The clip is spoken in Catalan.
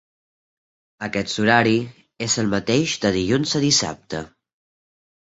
Aquest horari és el mateix de dilluns a dissabte.